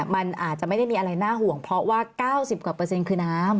มันอาจจะไม่ได้มีอะไรน่าห่วงเพราะว่า๙๐กว่าเปอร์เซ็นคือน้ำ